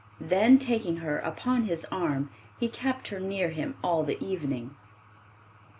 Then taking her upon his arm, he kept her near him all the evening.